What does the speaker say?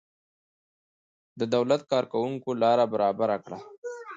د دولت کارکوونکیو لاره برابره کړه.